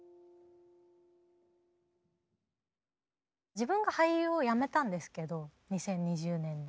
自分が俳優を辞めたんですけど２０２０年に。